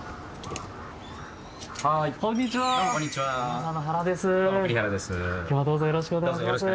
はい。